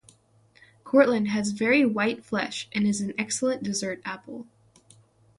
Cortland has very white flesh and is an excellent dessert apple.